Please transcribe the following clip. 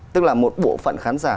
tức là một bộ phận khán giả